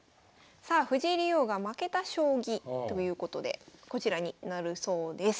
さあ藤井竜王が負けた将棋ということでこちらになるそうです。